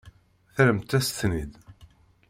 Terramt-as-ten-id.